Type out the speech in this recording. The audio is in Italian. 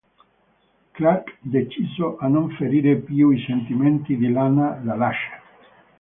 Clark, deciso a non ferire più i sentimenti di Lana, la lascia.